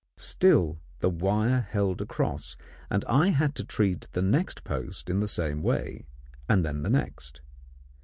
Still the wire held across, and I had to treat the next post in the same way, and then the next.